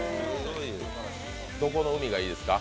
どこの海がいいですか？